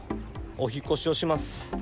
お引っ越しをします。